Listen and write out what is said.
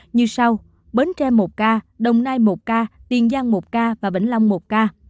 như sau bến tre một ca đồng nai một ca tiền giang một ca và vĩnh long một ca